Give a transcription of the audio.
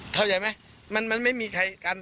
เข้าใจไหมมันไม่มีใครกัน